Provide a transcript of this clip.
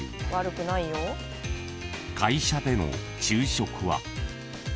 ［会社での昼食は］